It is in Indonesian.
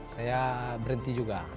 saya berhenti juga